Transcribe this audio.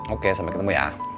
oke sampai ketemu ya